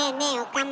岡村。